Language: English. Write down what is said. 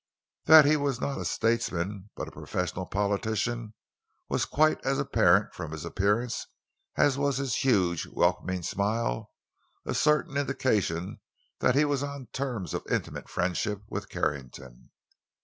That he was not a statesman but a professional politician was quite as apparent from his appearance as was his huge, welcoming smile, a certain indication that he was on terms of intimate friendship with Carrington.